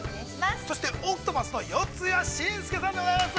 そして、ＯＣＴＰＡＴＨの四谷真佑さんでございます。